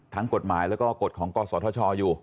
กฎหมายแล้วก็กฎของกศธชอยู่